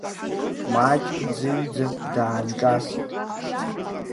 Маҷк дӡыҩӡа даанҿасит.